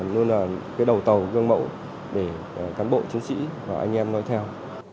luôn là cái đầu tàu cương mẫu để cán bộ chiến sĩ và anh em nói theo